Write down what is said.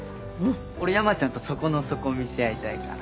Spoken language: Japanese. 俺山ちゃんと底の底見せ合いたいから。